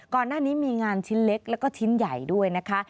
ก่อนหน้านี้มีงานชิ้นเล็กแล้วก็ชิ้นใหญ่ด้วยนะคะ